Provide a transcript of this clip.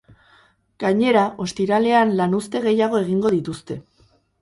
Gainera, ostiralean lanuzte gehiago egingo dituzte.